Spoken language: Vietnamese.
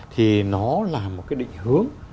thì nó là một cái định hướng